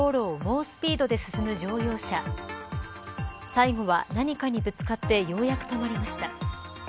最後は何かにぶつかってようやく止まりました。